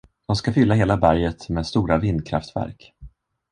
De ska fylla hela berget med stora vindkraftverk.